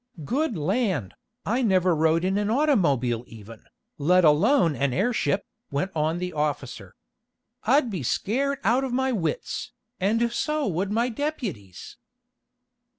"Good land, I never rode in an automobile even, let alone an airship!" went on the officer. "I'd be scared out of my wits, and so would my deputies."